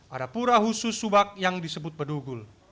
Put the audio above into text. ada pura khusus subak yang disebut bedugul